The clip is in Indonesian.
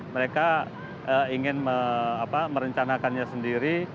mereka ingin merencanakannya sendiri